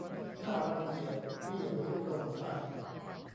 น่ารังเกียจ นี่หรือโปร่งใส